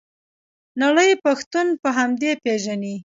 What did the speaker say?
نړۍ پښتون په همدې پیژني.